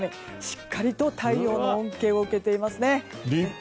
しっかりと太陽の恩恵を受けていますね。